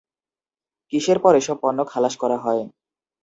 কিসের পর এসব পণ্য খালাস করা হয়?